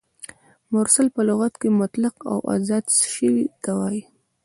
مرسل په لغت کښي مطلق او آزاد سوي ته وايي.